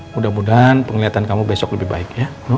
mudah mudahan penglihatan kamu besok lebih baik ya